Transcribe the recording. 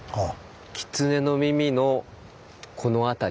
キツネの耳のこの辺り。